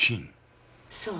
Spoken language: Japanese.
そう。